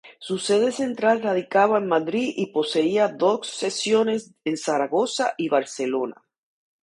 Su sede central radicaba en Madrid y poseía dos secciones en Zaragoza y Barcelona.